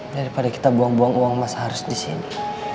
daripada kita buang buang uang mas harus di sini